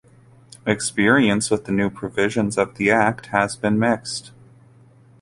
Experience with the new provisions of the Act has been mixed.